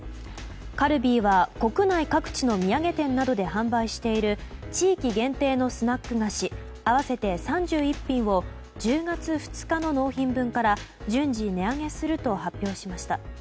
カルビーは国内各地の土産店などで販売している地域限定のスナック菓子合わせて３１品を１０月２日の納品分から順次値上げすると発表しました。